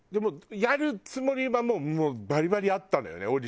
やるつもりはもうバリバリあったのよね？